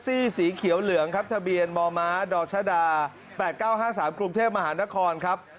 สีเขียวเหลืองครับทะเบียนมมดชดา๘๙๕๓กรุงเทพมหานครครับ